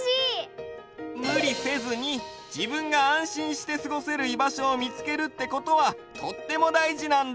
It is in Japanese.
むりせずにじぶんがあんしんしてすごせるいばしょをみつけるってことはとってもだいじなんだ。